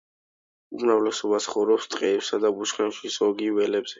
უმრავლესობა ცხოვრობს ტყეებსა და ბუჩქნარებში, ზოგი ველებზე.